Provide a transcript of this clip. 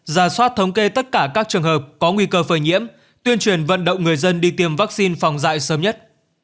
ra soát thống kê tất cả các trường hợp có nguy cơ phơi nhiễm tuyên truyền vận động người dân đi tiêm vaccine phòng dạy sớm nhất